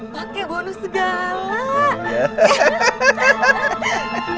pakai bonus segala